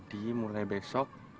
tadi mulai besok